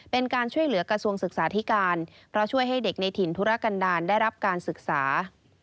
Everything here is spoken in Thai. เป็นการช่วยเหลือกระทรวงศึกษาธิการเพราะช่วยให้เด็กในถิ่นธุรกันดาลได้รับการศึกษา